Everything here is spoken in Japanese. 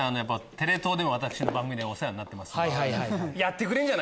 テレ東でも私の番組でお世話になってますんで。